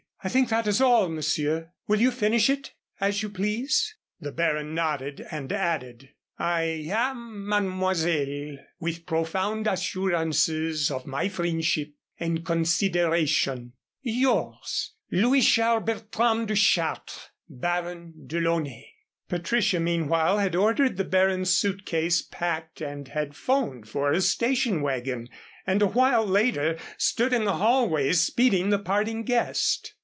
"I think that is all, Monsieur. Will you finish it as you please?" The baron nodded and added: "I am, Mademoiselle, with profound assurances of my friendship and consideration, "Yours, "Louis Charles Bertram de Chartres, "Baron DeLaunay." Patricia meanwhile had ordered the Baron's suitcase packed and had 'phoned for a station wagon and a while later stood in the hallway speeding the parting guest.